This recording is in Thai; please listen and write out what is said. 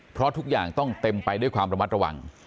เพราะทุกอย่างต้องเต็มไปด้วยความระมัดระวัง